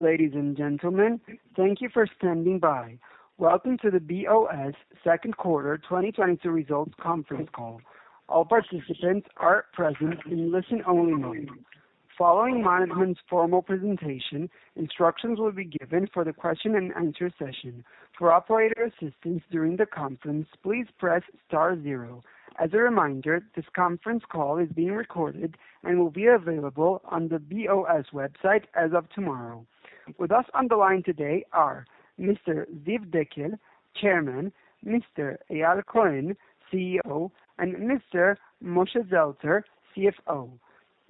Ladies and gentlemen, thank you for standing by. Welcome to the B.O.S. second quarter 2022 results conference call. All participants are present in listen-only mode. Following management's formal presentation, instructions will be given for the question-and-answer session. For operator assistance during the conference, please press star zero. As a reminder, this conference call is being recorded and will be available on the B.O.S. website as of tomorrow. With us on the line today are Mr. Ziv Dekel, Chairman, Mr. Eyal Cohen, CEO, and Mr. Moshe Zeltzer, CFO.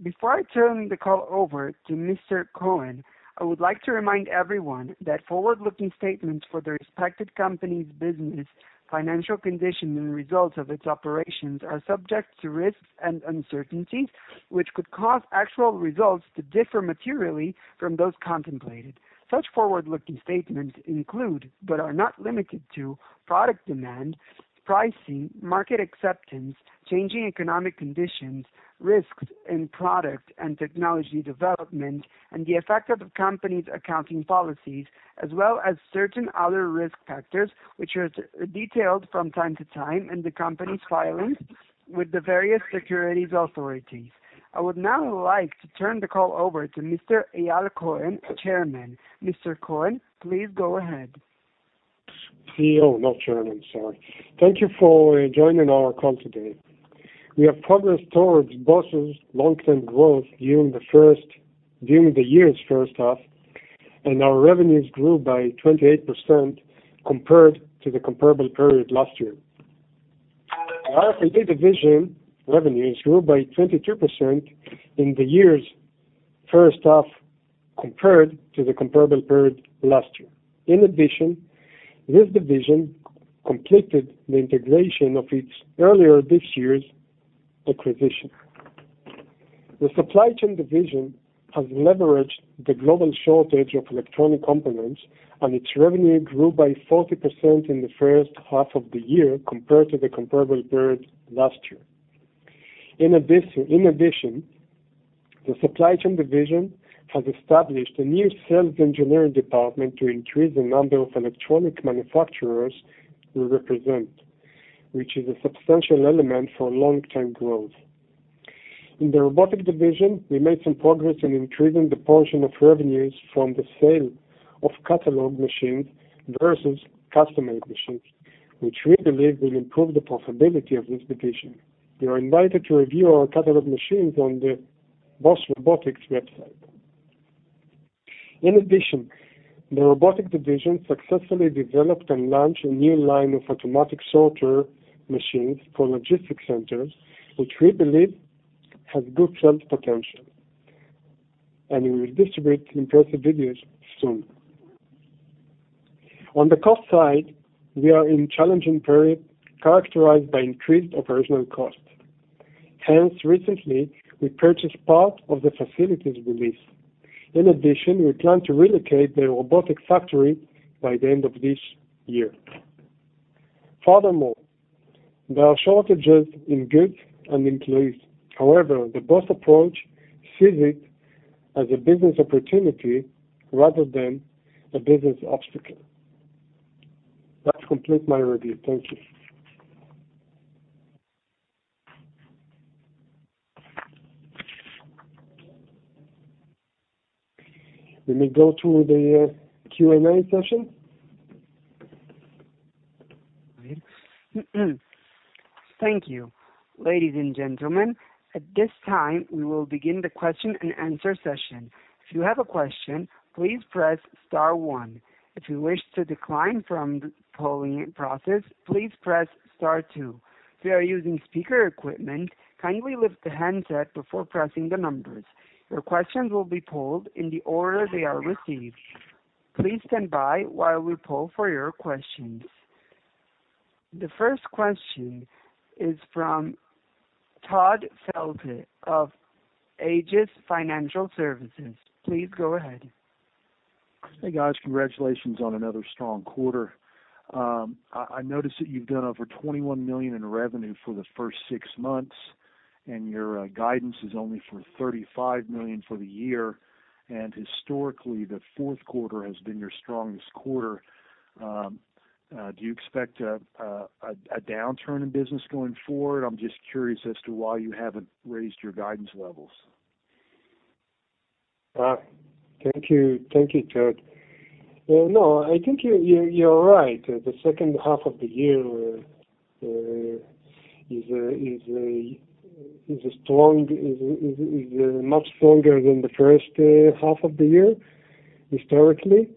Before I turn the call over to Mr. Cohen, I would like to remind everyone that forward-looking statements for the respective company's business, financial condition, and results of its operations are subject to risks and uncertainties, which could cause actual results to differ materially from those contemplated. Such forward-looking statements include, but are not limited to, product demand, pricing, market acceptance, changing economic conditions, risks in product and technology development, and the effect of the company's accounting policies, as well as certain other risk factors, which are detailed from time to time in the company's filings with the various securities authorities. I would now like to turn the call over to Mr. Eyal Cohen, Chairman. Mr. Cohen, please go ahead. CEO, not chairman, sorry. Thank you for joining our call today. We have progressed towards B.O.S.'s long-term growth during the year's first half, and our revenues grew by 28% compared to the comparable period last year. Our division revenues grew by 22% in the year's first half compared to the comparable period last year. In addition, this division completed the integration of its earlier this year's acquisition. The Supply Chain division has leveraged the global shortage of electronic components, and its revenue grew by 40% in the first half of the year compared to the comparable period last year. In addition, the Supply Chain division has established a new sales engineering department to increase the number of electronic manufacturers we represent, which is a substantial element for long-term growth. In the Robotic division, we made some progress in increasing the portion of revenues from the sale of catalog machines versus custom-made machines, which we believe will improve the profitability of this division. You are invited to review our catalog machines on the B.O.S. Robotics website. In addition, the Robotic division successfully developed and launched a new line of automatic sorter machines for logistics centers, which we believe has good sales potential, and we will distribute impressive videos soon. On the cost side, we are in a challenging period characterized by increased operational costs. Hence, recently, we purchased part of the facilities we lease. In addition, we plan to relocate the Robotic factory by the end of this year. Furthermore, there are shortages in goods and employees. However, the B.O.S. approach sees it as a business opportunity rather than a business obstacle. That completes my review. Thank you. We may go to the Q&A session. Thank you. Ladies and gentlemen, at this time, we will begin the question-and-answer session. If you have a question, please press star one. If you wish to decline from the polling process, please press star two. If you are using speaker equipment, kindly lift the handset before pressing the numbers. Your questions will be polled in the order they are received. Please stand by while we poll for your questions. The first question is from Todd Feld of AGES Financial Services. Please go ahead. Hey, guys. Congratulations on another strong quarter. I noticed that you've done over $21 million in revenue for the first six months, and your guidance is only for $35 million for the year. Historically, the fourth quarter has been your strongest quarter. Do you expect a downturn in business going forward? I'm just curious as to why you haven't raised your guidance levels. Thank you, Todd. No, I think you're right. The second half of the year is much stronger than the first half of the year historically.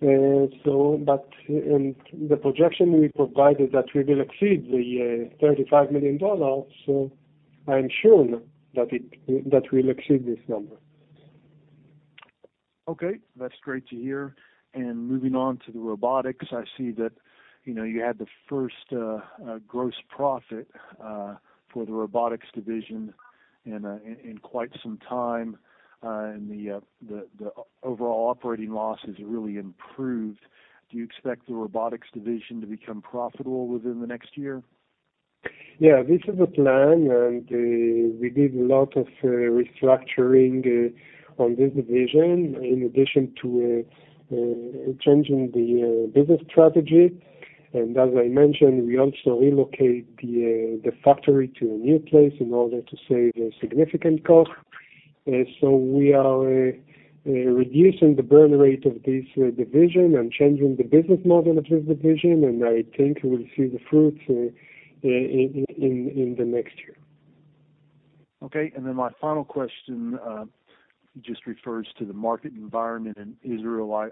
The projection we provided that we will exceed the $35 million, so I'm sure that we'll exceed this number. Okay. That's great to hear. Moving on to the Robotics, I see that, you know, you had the first gross profit for the Robotics division in quite some time, and the overall operating losses really improved. Do you expect the Robotics division to become profitable within the next year? Yeah, this is a plan, and we did a lot of restructuring on this division in addition to changing the business strategy. As I mentioned, we also relocate the factory to a new place in order to save a significant cost. We are reducing the burn rate of this division and changing the business model of this division, and I think we'll see the fruits in the next year. Okay. Then my final question just refers to the market environment in Israel. I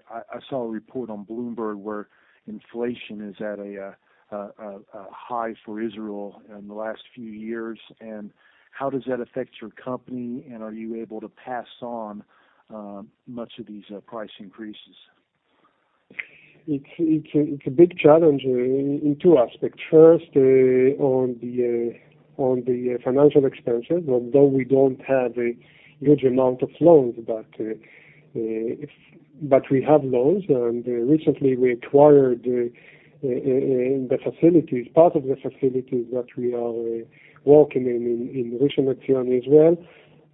saw a report on Bloomberg where inflation is at a high for Israel in the last few years. How does that affect your company, and are you able to pass on much of these price increases? It's a big challenge in two aspects. First, on the financial expenses, although we don't have a huge amount of loans, but we have loans, and recently we acquired the facilities, part of the facilities that we are working in RISHON LEZION, Israel.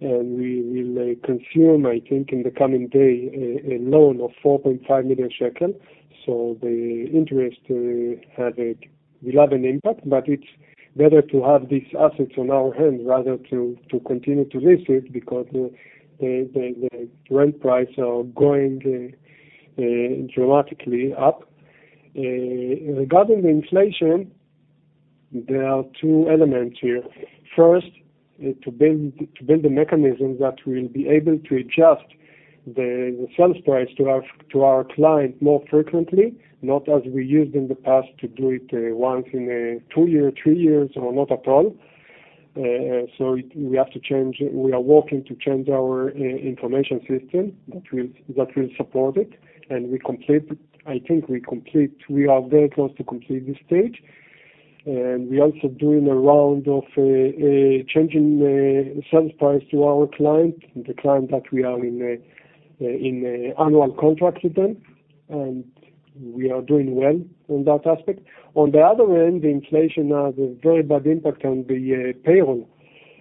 We will consume, I think, in the coming day, a loan of NIS 4.5 million. The interest have a relevant impact, but it's better to have these assets on our hand rather to continue to lease it because the rent price are going dramatically up. Regarding the inflation, there are two elements here. First, to build the mechanisms that will be able to adjust the sales price to our client more frequently, not as we used in the past to do it once in a two-year, three years, or not at all. We have to change. We are working to change our information system that will support it. We are very close to complete this stage. We're also doing a round of changing the sales price to our client, the client that we are in an annual contract with them, and we are doing well in that aspect. On the other hand, the inflation has a very bad impact on the payroll,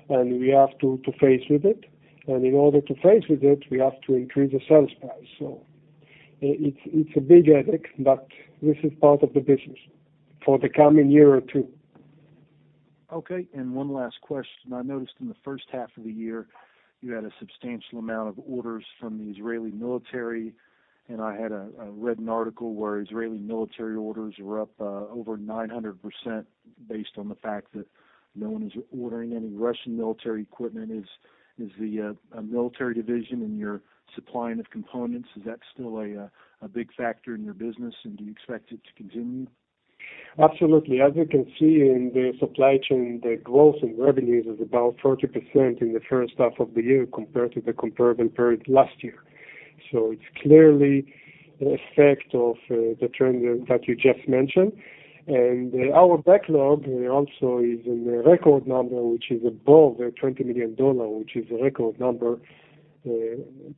and we have to face with it. In order to face with it, we have to increase the sales price. It's a big headache, but this is part of the business for the coming year or two. Okay. One last question. I noticed in the first half of the year, you had a substantial amount of orders from the Israeli military, and I had read an article where Israeli military orders were up over 900% based on the fact that no one is ordering any Russian military equipment. Is the military division in your supplying of components still a big factor in your business, and do you expect it to continue? Absolutely. As you can see in the Supply Chain, the growth in revenues is about 40% in the first half of the year compared to the comparable period last year. It's clearly an effect of the trend that you just mentioned. Our backlog also is in a record number, which is above $20 million, which is a record number,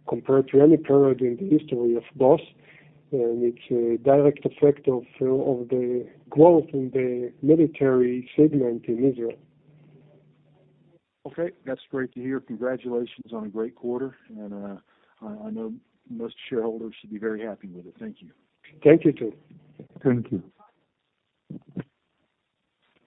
compared to any period in the history of B.O.S.. It's a direct effect of the growth in the military segment in Israel. Okay. That's great to hear. Congratulations on a great quarter, and I know most shareholders should be very happy with it. Thank you. Thank you, too. Thank you.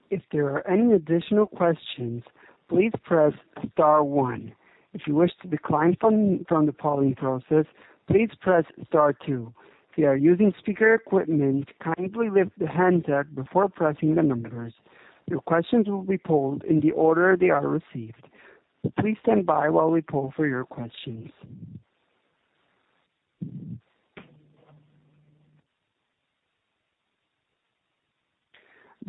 If there are any additional questions, please press star one. If you wish to decline from the polling process, please press star two. If you are using speaker equipment, kindly lift the handset before pressing the numbers. Your questions will be polled in the order they are received. Please stand by while we poll for your questions.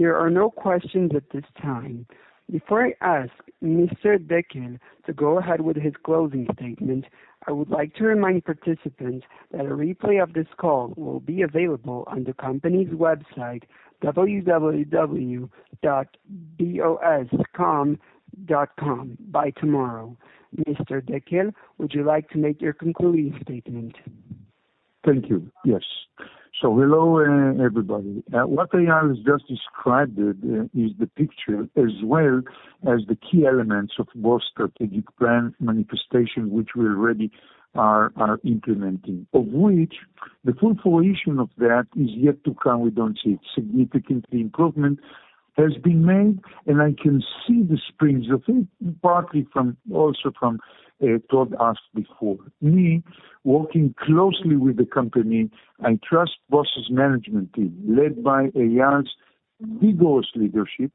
There are no questions at this time. Before I ask Mr. Dekel to go ahead with his closing statement, I would like to remind participants that a replay of this call will be available on the company's website, www.boscom.com by tomorrow. Mr. Dekel, would you like to make your concluding statement? Thank you. Yes. Hello, everybody. What Eyal has just described is the picture as well as the key elements of both strategic plan manifestation, which we already are implementing, of which the full fruition of that is yet to come. We don't see it. Significant improvement has been made, and I can see the springs of it, partly from also from Todd asked before me working closely with the company. I trust B.O.S.'s management team, led by Eyal's vigorous leadership,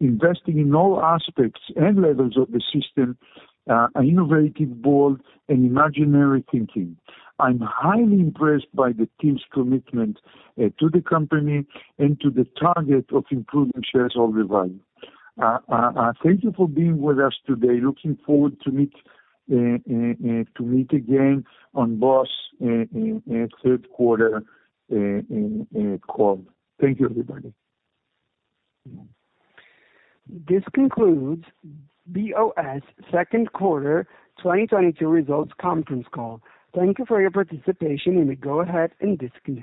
investing in all aspects and levels of the system, an innovative, bold, and imaginative thinking. I'm highly impressed by the team's commitment to the company and to the target of improving shareholder value. Thank you for being with us today. Looking forward to meet again on B.O.S. in third quarter call. Thank you, everybody. This concludes B.O.S. second quarter 2022 results conference call. Thank you for your participation, and we go ahead and disconnect.